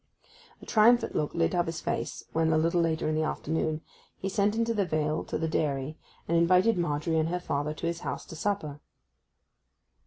A triumphant look lit up his face when, a little later in the afternoon, he sent into the vale to the dairy, and invited Margery and her father to his house to supper.